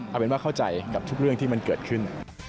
เอาเป็นว่าเข้าใจกับทุกเรื่องที่มันเกิดขึ้น